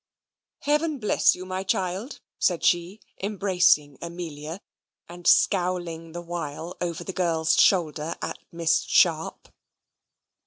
"Heaven bless you, my child," said she, embracing Amelia, and scowling the while over the girl's shoulder at Miss Sharp.